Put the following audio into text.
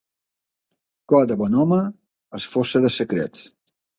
Cor de bon home és fossa de secrets.